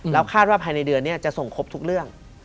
แล้วคาดว่าภายในเดือนนี้จะส่งครบทุกเรื่อง